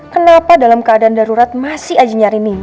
kenapa dalam keadaan darurat masih aja nyari nino